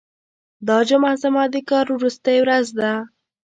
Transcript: دا جمعه زما د کار وروستۍ ورځ ده.